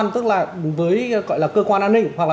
tức là với cơ quan an ninh hoặc là